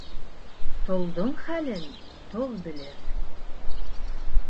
Толдоң хәлен тол белер.